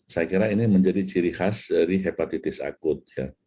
saya kira ini menjadi ciri khas dari hepatitis akut